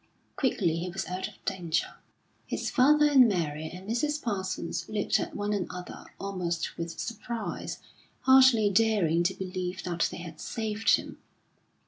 Quickly he was out of danger. His father and Mary and Mrs. Parsons looked at one another almost with surprise, hardly daring to believe that they had saved him.